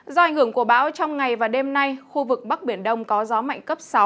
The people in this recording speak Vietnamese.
do ảnh hưởng của bão trong ngày và đêm nay khu vực bắc biển đông có gió mạnh cấp sáu